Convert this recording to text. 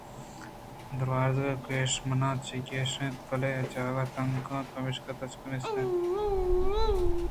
دروازگ کش ماں کش اِت اَنت بلئے جاگہ تنک اَت پمیشکہ تاکچہ نیست اَت